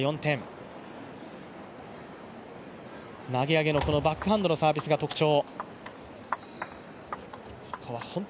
投げ上げのバックハンドのサービスが特徴。